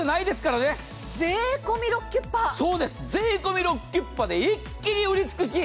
税込みロッキュッパで一気に売り尽くし。